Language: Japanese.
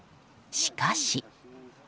しかし。